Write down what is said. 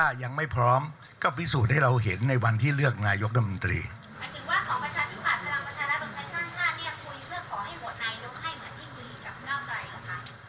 คุยเพื่อขอให้โหวตนายยกให้เหมือนที่คุยกับก้าวกลายเหรอคะ